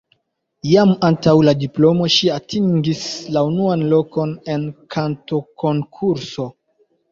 Jam antaŭ la diplomo ŝi atingis la unuan lokon en kantokonkurso.